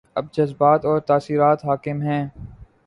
اب جذبات اور تاثرات حاکم ہیں۔